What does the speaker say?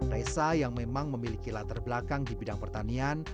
resa yang memang memiliki latar belakang di bidang pertanian